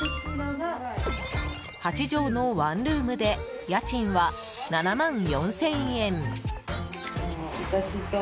８畳の１ルームで家賃は７万４０００円。